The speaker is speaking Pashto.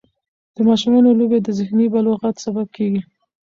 د ماشومانو لوبې د ذهني بلوغت سبب کېږي.